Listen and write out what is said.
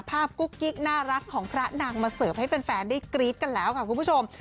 กุ๊กกิ๊กน่ารักของพระนางมาเสิร์ฟให้แฟนได้กรี๊ดกันแล้วค่ะคุณผู้ชม